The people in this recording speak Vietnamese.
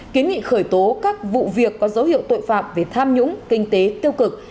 kiến nghị khởi tố các vụ việc có dấu hiệu tội phạm về tham nhũng kinh tế tiêu cực